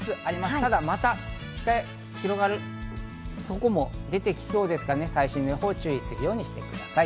ただ、また北に広がる所も出てきそうですから、最新の予報を注意するようにしてください。